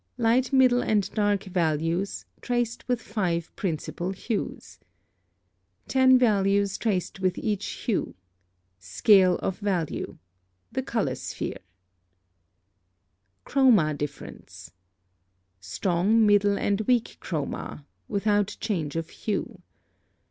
Light, middle, and dark values (traced with 5 principal hues). 10 values traced with each hue. SCALE of VALUE. The Color Sphere. Chroma difference. Strong, middle, and weak chroma (without change of hue).